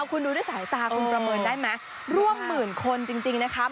คุณดูด้วยสายตาคุณประเมินได้ไหมร่วมหมื่นคนจริงนะคะ